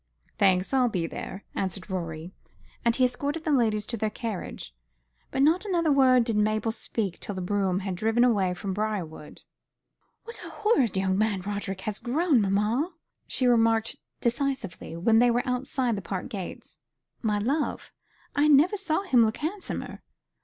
"Thanks, I'll be there," answered Rorie, and he escorted the ladies to their carriage; but not another word did Mabel speak till the brougham had driven away from Briarwood. "What a horrid young man Roderick has grown, mamma!" she remarked decisively, when they were outside the park gates. "My love, I never saw him look handsomer."